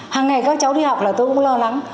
hàng ngày các cháu đi học là tôi cũng lo lắng